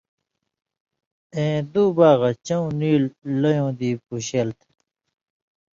(اېں دُوباغہ) چؤں نیل لَیؤں دی پون٘شېل تھہ۔